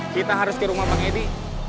kita harus ke rumah bang edi